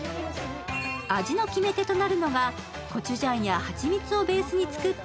味の決め手となるのが、コチュジャンやはちみつをベースに作った